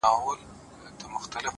ستا په تعويذ كي به خپل زړه وويني;